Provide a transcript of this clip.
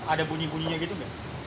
ada bunyi bunyinya gitu nggak